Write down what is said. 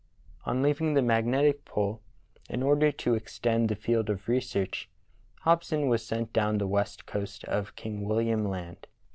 On leaving the magnetic pole, in order to extend the field of search, Hobson was sent down the west coast of King William Land.